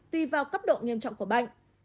tùy vào cấp độ nghiêm trọng của bệnh